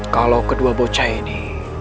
kalau kedua bocah ini